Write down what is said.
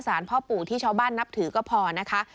พ่อปู่ที่ชาวบ้านนับถือก็พอนะคะ